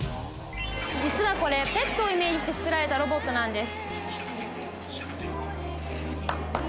実はこれ、ペットをイメージして作られたロボットなんです。